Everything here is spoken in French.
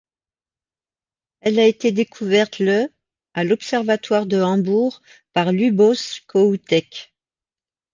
Elle a été découverte le à l'observatoire de Hambourg par Luboš Kohoutek.